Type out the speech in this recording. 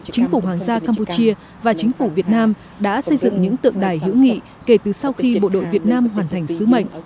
chính phủ hoàng gia campuchia và chính phủ việt nam đã xây dựng những tượng đài hữu nghị kể từ sau khi bộ đội việt nam hoàn thành sứ mệnh